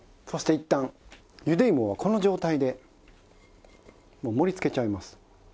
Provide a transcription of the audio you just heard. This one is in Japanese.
そしていったんゆでいもはこの状態でもう盛り付けちゃいます。